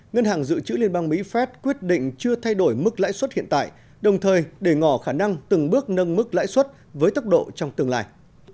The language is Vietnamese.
ngân hàng dự trữ liên bang mỹ phép quyết định chưa thay đổi mức lãi suất hiện tại đồng thời để ngỏ khả năng từng bước nâng mức lãi suất với tốc độ trong tương lai